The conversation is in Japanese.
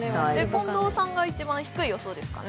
近藤さんが一番低い予想ですかね。